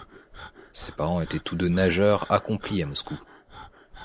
Ses parents étaient tous deux nageurs accomplis à Moscou.